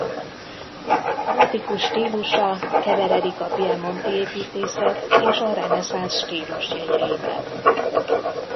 Gótikus stílusa keveredik a piemonti építészet és a reneszánsz stílusjegyeivel.